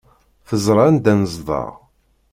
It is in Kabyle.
Teẓra anda nezdeɣ.